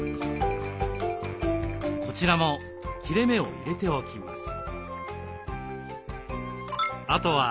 こちらも切れ目を入れておきます。